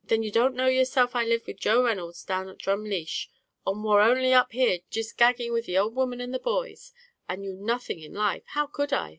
Then don't you know yourself I live with Joe Reynolds down at Drumleesh, and war only up here jist gagging with the ould woman and the boys, and knew nothing in life how could I?